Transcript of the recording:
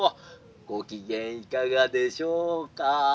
ごきげんいかがでしょうか？」。